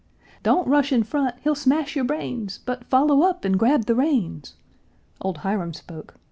"Don't rush in front! he'll smash your brains; But follow up and grab the reins!" Old Hiram spoke.